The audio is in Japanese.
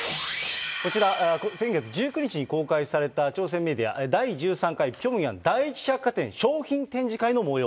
こちら、先月１９日に公開された、朝鮮メディア、第１３回ピョンヤン第一百貨店